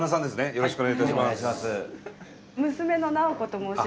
よろしくお願いします。